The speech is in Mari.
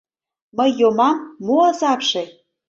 Мый йомам — мо азапше?